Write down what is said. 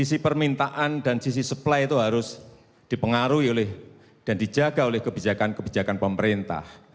dan sisi permintaan dan sisi supply itu harus dipengaruhi oleh dan dijaga oleh kebijakan kebijakan pemerintah